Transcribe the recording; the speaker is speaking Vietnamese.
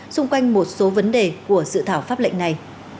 xung quanh một số vấn đề của sự thảo pháp lệnh này